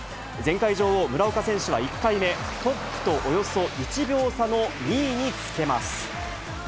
前回女王、村岡選手は１回目、トップとおよそ１秒差の２位につけます。